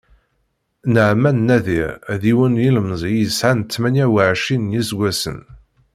Naɛman Nadir, d yiwen n yilemẓi i yesεan tmanya uɛecrin n yiseggasen.